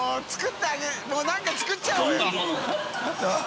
もう何か作っちゃおうよ。